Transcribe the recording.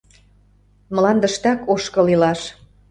Мландыштак ошкыл илаш.